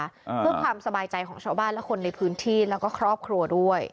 เพื่อความสบายใจของชาวบ้านและคนในพื้นที่แล้วก็ครอบครัวด้วย